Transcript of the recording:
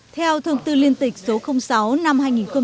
theo thông tư liên tịch số sáu năm hai nghìn một mươi bốn